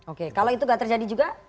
oke kalau itu tidak terjadi juga